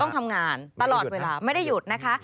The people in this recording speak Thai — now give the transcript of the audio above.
ทำงานตลอดเวลาไม่ได้หยุดนะคะ